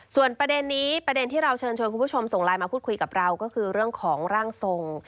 ส่วนประเด็นนี้ประเด็นที่เราเชิญชวนคุณผู้ชมส่งไลน์มาพูดคุยกับเราก็คือเรื่องของร่างทรง